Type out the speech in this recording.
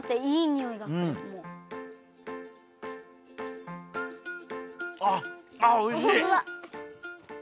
おいしい。